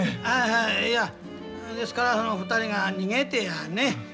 ああいやですから２人が逃げてやね